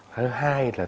thứ hai là